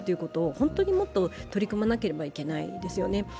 本当にもっと取り組まなければいけないんですよね。